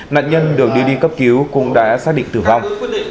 nạn nhân được đưa đi cấp cứu cũng đã xác định tử vong